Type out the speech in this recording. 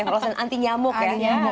lotion anti nyamuk ya